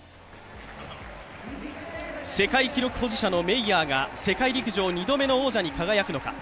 世界記録保持者のメイヤーが世界陸上２度目の王者に輝くのか。